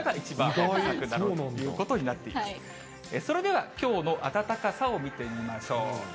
それではきょうの暖かさを見てみましょう。